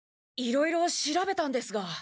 いろいろ調べたんですが。